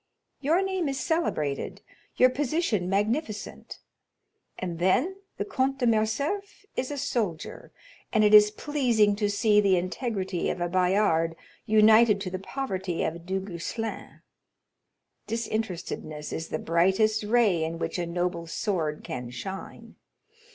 Your name is celebrated, your position magnificent; and then the Comte de Morcerf is a soldier, and it is pleasing to see the integrity of a Bayard united to the poverty of a Duguesclin; disinterestedness is the brightest ray in which a noble sword can shine.